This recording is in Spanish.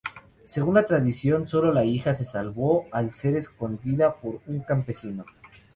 Según la tradición, sólo la hija se salvó al ser escondida por un campesino.